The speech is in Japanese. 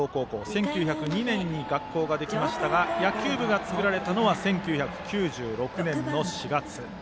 １９０２年に学校ができましたが野球部が作られたのは１９９６年の４月。